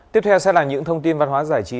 tiếp theo sẽ là những thông tin văn hóa giải trí